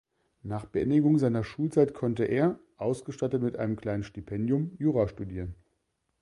Nach Beendigung seiner Schulzeit konnte er, ausgestattet mit einem kleinen Stipendium, Jura studieren.